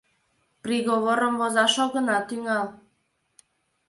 — Приговорым возаш огына тӱҥал.